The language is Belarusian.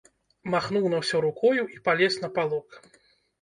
Махнуў на ўсё рукою і палез на палок.